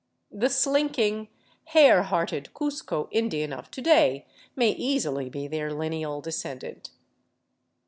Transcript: The slinking, hare hearted Cuzco Indian of to day may easily be their lineal descendant.